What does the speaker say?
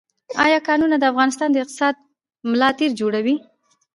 آیا کانونه د افغانستان د اقتصاد ملا تیر جوړوي؟